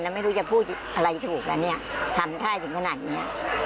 แล้วไม่รู้จะพูดอะไรถูกแล้วเนี่ยทำได้ถึงขนาดเนี้ย